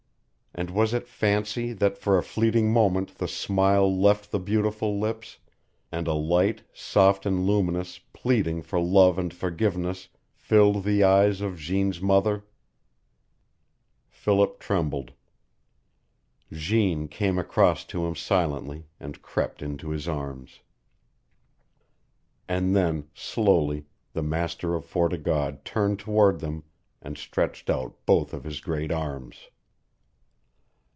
And was it fancy that for a fleeting moment the smile left the beautiful lips, and a light, soft and luminous, pleading for love and forgiveness, filled the eyes of Jeanne's mother? Philip trembled. Jeanne came across to him silently, and crept into his arms. And then, slowly, the master of Fort o' God turned toward them and stretched out both of his great arms.